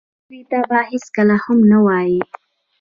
ملګری ته به هېڅکله هم نه وایې